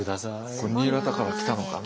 これ新潟から来たのかな？